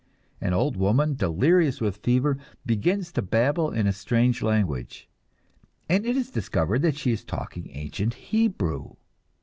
An old woman, delirious with fever, begins to babble in a strange language, and it is discovered that she is talking ancient Hebrew.